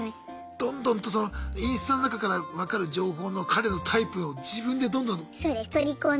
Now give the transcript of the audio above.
どんどんとそのインスタの中から分かる情報の彼のタイプを自分でどんどん。